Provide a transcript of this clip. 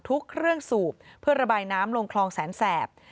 เครื่องสูบเพื่อระบายน้ำลงคลองแสนแสบ